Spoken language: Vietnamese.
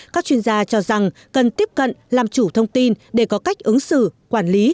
các chuyên gia cho rằng cần tiếp cận làm chủ thông tin để có cách ứng xử quản lý